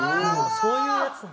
そういうやつなんだ。